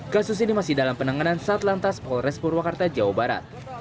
kasus ini masih dalam penanganan satlantas polres purwakarta jawa barat